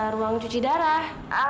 ruang cuci darah